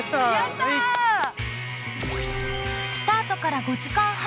スタートから５時間半。